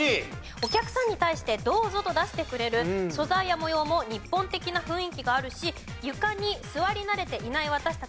お客さんに対してどうぞと出してくれる素材や模様も日本的な雰囲気があるし床に座り慣れていない私たちは助かるという意見がありました。